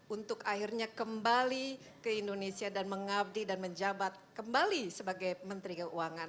untuk akhirnya kembali ke indonesia dan mengabdi dan menjabat kembali sebagai menteri keuangan